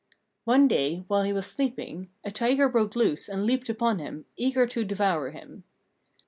One day, while he was sleeping, a tiger broke loose and leaped upon him, eager to devour him.